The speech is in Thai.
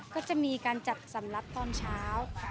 ก็จะมีการจัดสำลักตอนเช้า